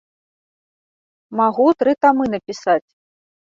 Магу тры тамы напісаць.